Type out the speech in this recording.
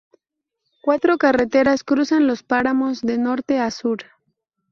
Cuatro carreteras cruzan los páramos de norte a sur.